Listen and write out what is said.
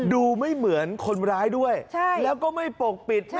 ดูไม่เหมือนคนร้ายด้วยแล้วก็ไม่ปกปิด